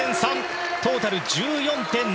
トータル１４．７００。